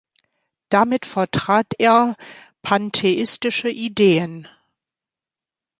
Damit vertrat er pantheistische Ideen.